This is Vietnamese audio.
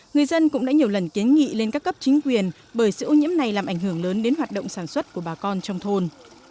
người dân cũng đã nhiều lần kiến nghị lên các cấp chính quyền bởi sự ô nhiễm này làm ảnh hưởng lớn đến hoạt động sản xuất của bà con trong thôn